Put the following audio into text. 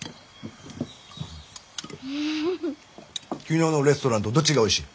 昨日のレストランとどっちがおいしい？